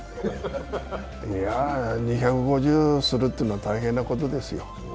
いやあ、２５０するって大変なことですよ。